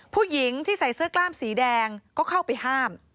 ผู้หญิงที่ใส่เสื้อกล้ามสีแดงก็เข้าไปห้าม